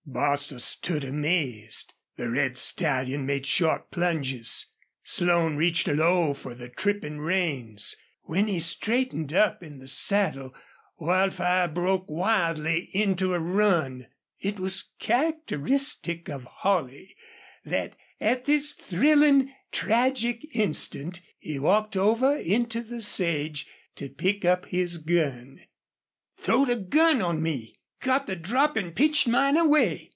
Bostil stood amazed. The red stallion made short plunges. Slone reached low for the tripping reins. When he straightened up in the saddle Wildfire broke wildly into a run. It was characteristic of Holley that at this thrilling, tragic instant he walked over into the sage to pick up his gun. "Throwed a gun on me, got the drop, an' pitched mine away!"